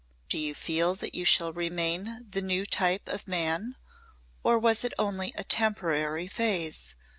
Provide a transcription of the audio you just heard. "Do you feel that you shall remain the new type of man, or was it only a temporary phase?"